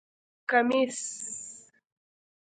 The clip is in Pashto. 👗 کمېس